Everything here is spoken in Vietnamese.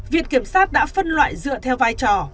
viện kiểm sát đã phân loại dựa theo vai trò